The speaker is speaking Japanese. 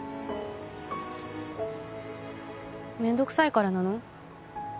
面倒くさいからなの？